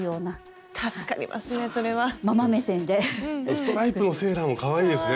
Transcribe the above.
ストライプのセーラーもかわいいですね